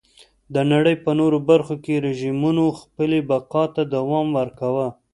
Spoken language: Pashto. د نړۍ په نورو برخو کې رژیمونو خپلې بقا ته دوام ورکاوه.